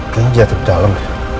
kayaknya dia ada di dalam